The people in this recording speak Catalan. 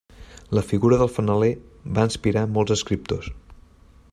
La figura del fanaler va inspirar molts escriptors.